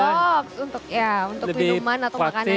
oh cool box untuk ya untuk minuman atau makanan dingin ya